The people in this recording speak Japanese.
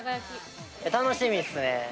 楽しみですね。